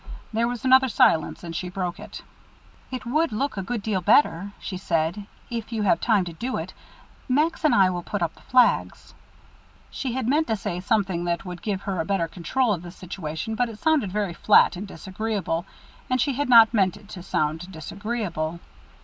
There was another silence, and she broke it. "It would look a good deal better," she said, "if you have time to do it. Max and I will put up the flags." She had meant to say something that would give her a better control of the situation, but it sounded very flat and disagreeable and she had not meant it to sound disagreeable.